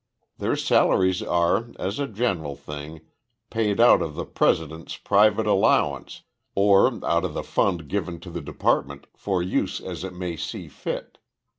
Their salaries are, as a general thing, paid out of the President's private allowance or out of the fund given to the department 'for use as it may see fit.'